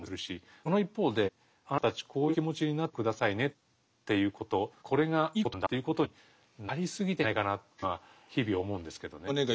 その一方で「あなたたちこういう気持ちになって下さいね」っていうことこれがいいことなんだっていうことになりすぎてんじゃないかなというのは日々思うんですけどね。